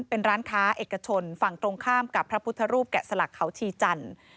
เป็นร้านค้าเอกชนฝั่งตรงข้ามกับพระพุทธรูปแกะสลักเขาชีจันทร์